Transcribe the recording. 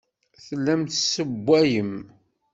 Tellam tessewwayem.